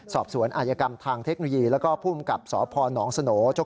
สอบสวนอายกรรมทางเทคโนยีแล้วก็ผู้อุ่มกับสพนสน